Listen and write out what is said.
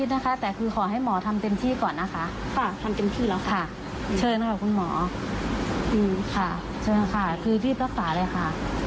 รักษาอยู่ค่ะขอโทษนะคะตอนนี้กำลังนะคะ